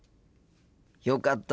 よかった。